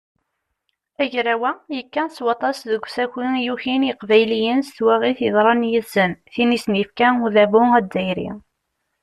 Agraw-a yekka s waṭas deg usaki i yukin yiqbayliyen s twaɣit yeḍran yid-sen, tin i sen-yefka udabu azzayri.